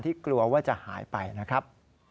กลัวว่าจะหายไปนะครับ